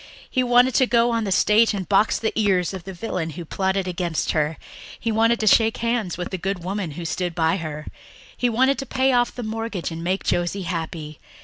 He wanted to go on the stage and box the ears of the villain who plotted against her; he wanted to shake hands with the good woman who stood by her; he wanted to pay off the mortgage and make Josie happy.